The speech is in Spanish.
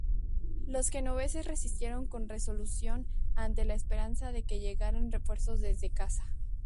Los genoveses resistieron con resolución ante la esperanza de que llegaran refuerzos desde casa.